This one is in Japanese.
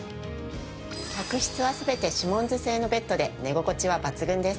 客室は全てシモンズ製のベッドで寝心地は抜群です。